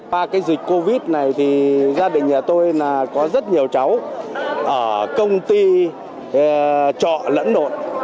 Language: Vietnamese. qua cái dịch covid này thì gia đình nhà tôi là có rất nhiều cháu ở công ty trọ lẫn nội